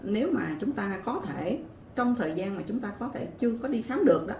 nếu mà chúng ta có thể trong thời gian mà chúng ta chưa đi khám được